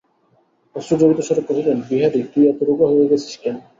অশ্রুজড়িতস্বরে কহিলেন, বিহারী, তুই এত রোগা হইয়া গেছিস কেন।